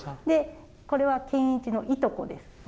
でこれは賢一のいとこです。